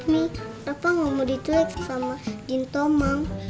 nih rafa gak mau ditulis sama jintomang